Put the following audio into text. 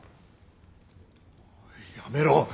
おいやめろ！